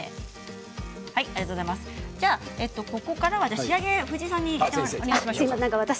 ここからは仕上げ、藤井さんにお願いしましょう。